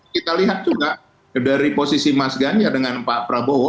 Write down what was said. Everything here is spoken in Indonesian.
kita lihat juga dari posisi mas ganjar dengan pak prabowo